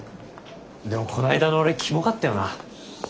でもこの間の俺キモかったよな。